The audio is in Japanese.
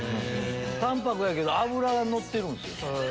淡泊やけど脂がのってるんすよ。